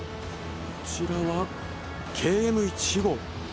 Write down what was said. こちらは「Ｋ・Ｍ１号」。